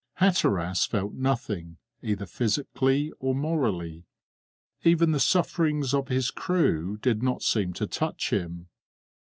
Hatteras felt nothing, either physically or morally. Even the sufferings of his crew did not seem to touch him.